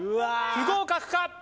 不合格か？